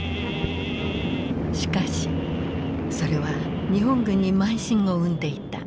しかしそれは日本軍に慢心を生んでいた。